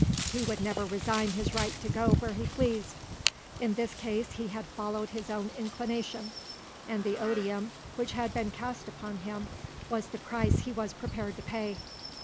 He would never resign his right to go where he pleased. In this case he had followed his own inclination, and the odium which had been cast upon him was the price he was prepared to pay.